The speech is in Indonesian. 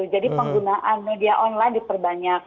jadi penggunaan media online diperbanyak